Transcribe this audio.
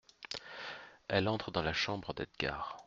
Elle entre dans la chambre d’Edgard.